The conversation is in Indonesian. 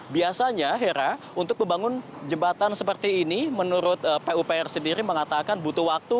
biasanya hera untuk membangun jembatan seperti ini menurut pupr sendiri mengatakan butuh waktu